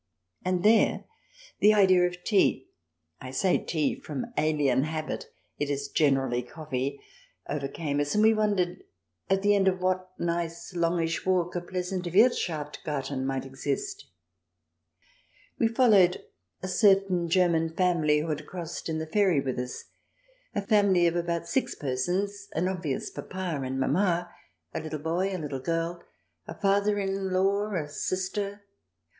And there the idea of tea — I say tea from alien habit : it is generally coffee — overcame us, and we wondered at the end of what nice longish walk a pleasant Wirthschaft garten might exist ? We followed a certain German family, who had crossed in the ferry with us — a family of about six persons, an obvious papa and mamma, a little boy, a little girl, a father in law (?), and a sister